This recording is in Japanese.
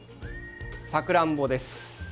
さくらんぼです。